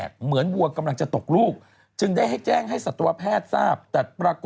เช้าตรู่เช้าตรู่